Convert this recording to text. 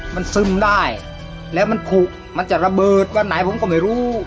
มันซึมได้แล้วมันผูกมันจะระเบิดวันไหนผมก็ไม่รู้